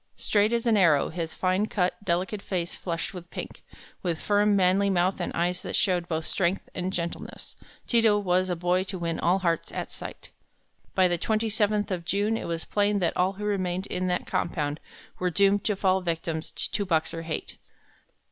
Straight as an arrow, his fine cut, delicate face flushed with pink, with firm, manly mouth and eyes that showed both strength and gentleness, Ti to was a boy to win all hearts at sight. By the twenty seventh of June it was plain that all who remained in that compound were doomed to fall victims to Boxer hate.